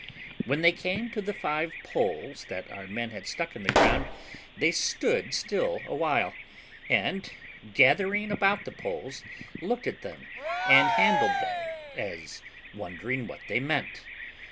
When they came to the five poles that our men had stuck in the ground, they stood still awhile, and gathering about the poles, looked at them, and handled them, as wondering what they meant.